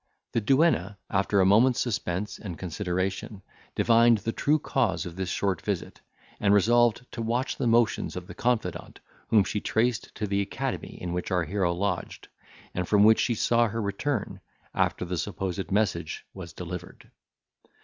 The duenna, after a moment's suspense and consideration, divined the true cause of this short visit, and resolved to watch the motions of the confidant, whom she traced to the academy in which our hero lodged, and from which she saw her return, after the supposed message was delivered.